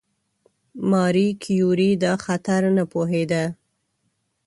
ماري کیوري دا خطر نه پوهېده.